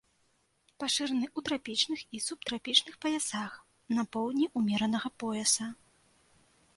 Пашыраны ў трапічных і субтрапічных паясах, на поўдні ўмеранага пояса.